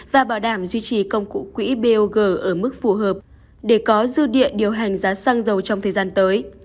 và bảo đảm duy trì công cụ quỹ bog ở mức phù hợp để có dư địa điều hành giá xăng dầu trong thời gian tới